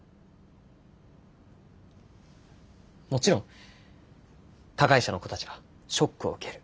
もちろん加害者の子たちはショックを受ける。